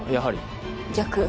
逆。